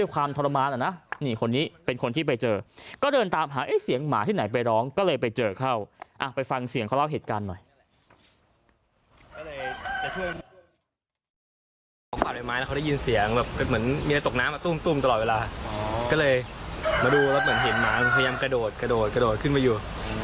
เขาได้ยินเสียงแบบเหมือนมีอะไรตกน้ำตุ้มตุ้มตลอดเวลาก็เลยมาดูแล้วเห็นหมาพยายามกระโดดกระโดดกระโดดขึ้นไปอยู่